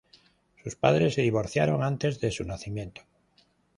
Sus padres se divorciaron antes de su nacimiento.